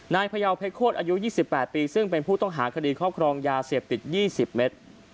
พยาวเพชรโคตรอายุ๒๘ปีซึ่งเป็นผู้ต้องหาคดีครอบครองยาเสพติด๒๐เมตร